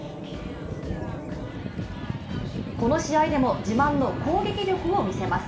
この試合でも自慢の攻撃力を見せます。